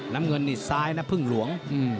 น้ำเงินนี่ซ้ายนะพึ่งหลวง